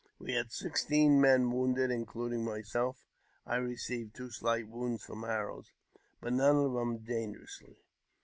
We had sixteen men : wounded, including myself (I received two slight wounds froif I arrows), but none of them dangerously.